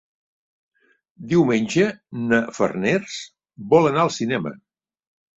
Diumenge na Farners vol anar al cinema.